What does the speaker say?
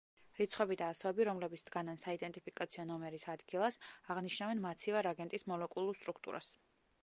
რიცხვები და ასოები, რომლებიც დგანან საიდენტიფიკაციო ნომერის ადგილას, აღნიშნავენ მაცივარ აგენტის მოლეკულურ სტრუქტურას.